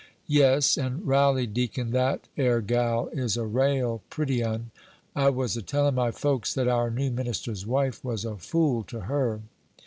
"Yes; and railly, deacon, that 'ere gal is a rail pretty un. I was a tellin' my folks that our new minister's wife was a fool to her."